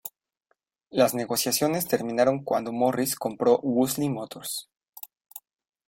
Las negociaciones terminaron cuando Morris compró Wolseley Motors.